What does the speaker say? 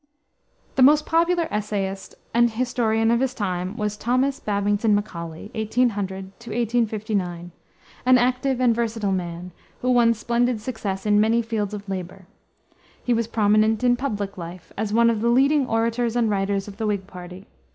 The most popular essayist and historian of his time was Thomas Babington Macaulay, (1800 1859), an active and versatile man, who won splendid success in many fields of labor. He was prominent in public life as one of the leading orators and writers of the Whig party.